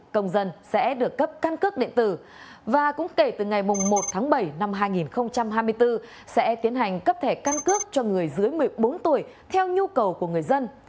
công dân sẽ được cấp căn cước điện tử và cũng kể từ ngày một tháng bảy năm hai nghìn hai mươi bốn sẽ tiến hành cấp thẻ căn cước cho người dưới một mươi bốn tuổi theo nhu cầu của người dân